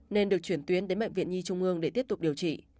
nên được chuyển tuyến đến bệnh viện nhi trung ương để tiếp tục điều trị